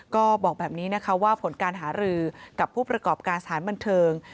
ก็บอกแบบนี้นะคะว่าผลการหารือกับผู้ประกอบการสถานบันเทิง